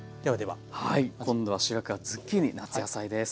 はい今度は主役がズッキーニ夏野菜です。